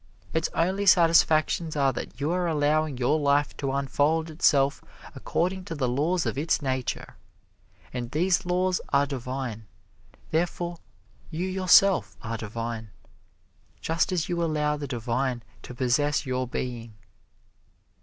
Its only satisfactions are that you are allowing your life to unfold itself according to the laws of its nature. And these laws are divine, therefore you yourself are divine, just as you allow the divine to possess your being.